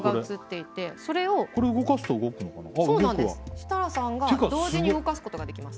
設楽さんが同時に動かすことができます。